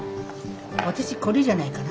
私これじゃないかな。